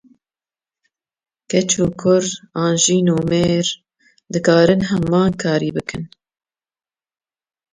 Keç û kur an jin û mêr dikarin heman karî bikin.